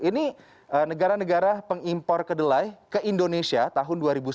ini negara negara pengimpor kedelai ke indonesia tahun dua ribu sembilan belas